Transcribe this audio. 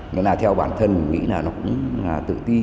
nên là theo bản thân mình nghĩ là nó cũng là tự ti